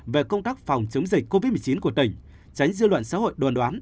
về công tác phòng chống dịch covid một mươi chín của tỉnh tránh dư luận xã hội đoàn đoán